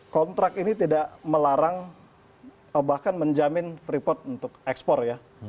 kontrak ini tidak melarang bahkan menjamin freeport untuk ekspor ya